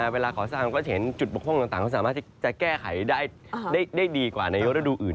เวลาก่อสร้างก็จะเห็นจุดบกพร่องต่างก็สามารถที่จะแก้ไขได้ดีกว่าในฤดูอื่น